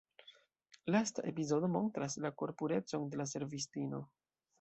Lasta epizodo montras la korpurecon de la servistino.